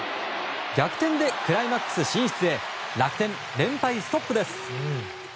逆転でクライマックス進出へ楽天、連敗ストップです。